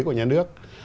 của nhà nước